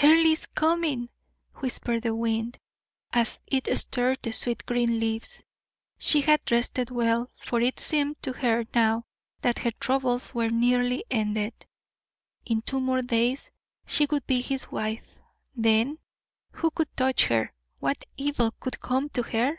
"Earle is coming!" whispered the wind, as it stirred the sweet green leaves. She had rested well; for it seemed to her now that her troubles were nearly ended. In two more days she would be his wife; then, who could touch her, what evil could come to her?